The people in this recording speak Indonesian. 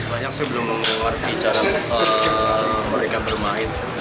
banyak sih belum keluar bicara mereka bermain